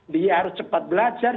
dia harus cepat belajar